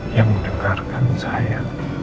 yang dengarkan saya